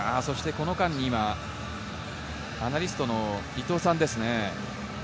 この間にアナリストの伊藤さんですね。